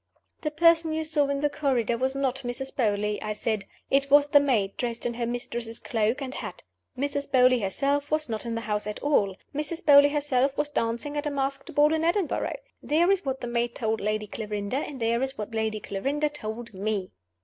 "The person you saw in the corridor was not Mrs. Beauly," I said. "It was the maid, dressed in her mistress's cloak and hat. Mrs. Beauly herself was not in the house at all. Mrs. Beauly herself was dancing at a masked ball in Edinburgh. There is what the maid told Lady Clarinda; and there is what Lady Clarinda told _me.